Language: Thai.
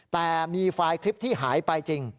แต่มีไฟล์คลิปที่หายไปจริง